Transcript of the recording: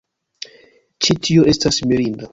Ĉi tio estas mirinda